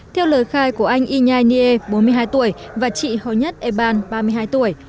theo lời khai của anh inhai nie bốn mươi hai tuổi và chị hồ nhất eban ba mươi hai tuổi